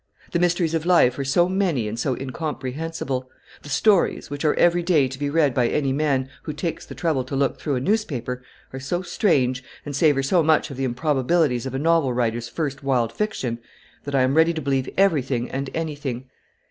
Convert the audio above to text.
The mysteries of life are so many and so incomprehensible, the stories, which are every day to be read by any man who takes the trouble to look through a newspaper, are so strange, and savour so much of the improbabilities of a novel writer's first wild fiction, that I am ready to believe everything and anything.